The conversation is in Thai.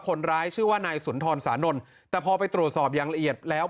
คนร้ายชื่อว่านายสุนทรสานนท์แต่พอไปตรวจสอบอย่างละเอียดแล้ว